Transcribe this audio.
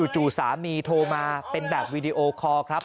จู่สามีโทรมาเป็นแบบวีดีโอคอร์ครับ